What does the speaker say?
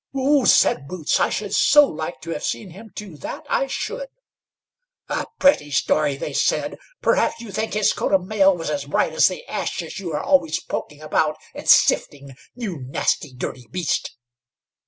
"Oh!" said Boots, "I should so like to have seen him too, that I should." "A pretty story," they said. "Perhaps you think his coat of mail was as bright as the ashes you are always poking about, and sifting, you nasty dirty beast."